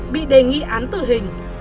bị đề nghị án tử hình